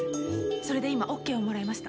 それで今オッケーをもらいました。